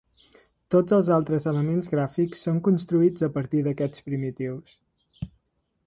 Tots els altres elements gràfics són construïts a partir d'aquests primitius.